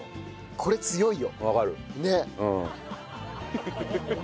これ強いよ。